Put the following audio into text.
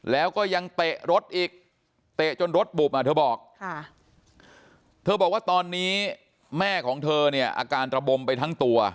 แล้วก็ยังเตะรถอีกเตะจนรถบุบอ่ะเธอบอกเธอบอกว่าตอนนี้แม่ของเธอเนี่ยอาการระบมไปทั้งตัว